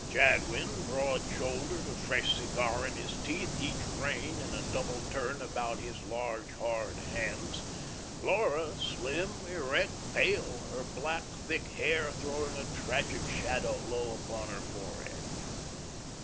Jadwin, broad shouldered, a fresh cigar in his teeth, each rein in a double turn about his large, hard hands; Laura, slim, erect, pale, her black, thick hair throwing a tragic shadow low upon her forehead.